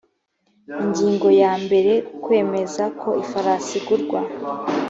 ingingo ya mbere kwemeza ko ifarasi igurwa